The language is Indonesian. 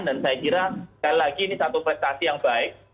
dan saya kira sekali lagi ini satu prestasi yang baik